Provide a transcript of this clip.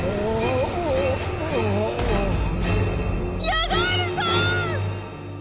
ヤガールさん！